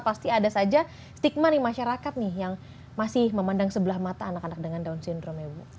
pasti ada saja stigma di masyarakat nih yang masih memandang sebelah mata anak anak dengan down syndrome ya bu